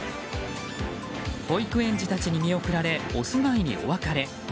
保育園児たちに見送られお住まいにお別れ。